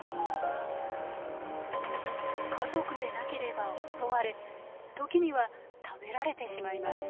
家族でなければ襲われ時には食べられてしまいます。